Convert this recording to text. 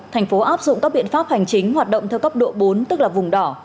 thành phố áp dụng các biện pháp hành chính hoạt động theo cấp độ bốn tức là vùng đỏ